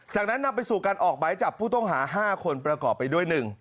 จากนั้นนำไปสู่การออกหมายจับผู้ต้องหา๕คนประกอบไปด้วย๑